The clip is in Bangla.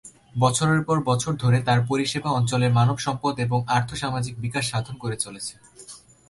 বছরের পর বছর ধরে তার পরিষেবা অঞ্চলের মানব সম্পদ এবং আর্থ-সামাজিক বিকাশ সাধন করে চলেছে।